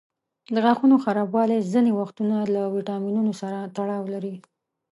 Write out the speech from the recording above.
د غاښونو خرابوالی ځینې وختونه له ویټامینونو سره تړاو لري.